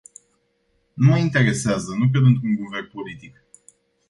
Nu mă interesează, nu cred într-un guvern politic.